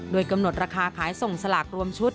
โดยกำหนดราคาขายส่งสลากรวมชุด